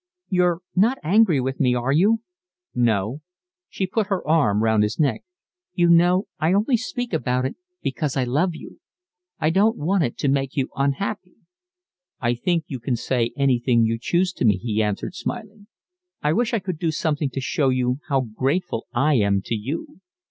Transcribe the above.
"You're not angry with me, are you?" "No." She put her arm round his neck. "You know, I only speak about it because I love you. I don't want it to make you unhappy." "I think you can say anything you choose to me," he answered, smiling. "I wish I could do something to show you how grateful I am to you."